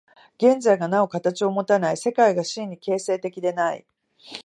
現在がなお形をもたない、世界が真に形成的でない。